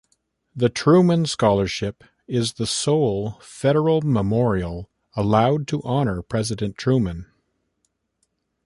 The Truman Scholarship is the sole federal memorial allowed to honor President Truman.